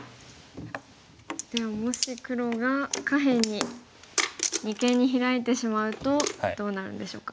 でももし黒が下辺に二間にヒラいてしまうとどうなるんでしょうか。